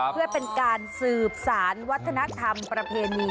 เพื่อเป็นการสืบสารวัฒนธรรมประเพณี